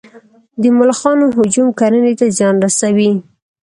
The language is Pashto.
د ملخانو هجوم کرنې ته زیان رسوي